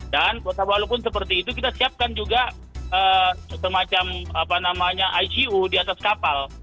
dan walaupun seperti itu kita siapkan juga semacam icu di atas kapal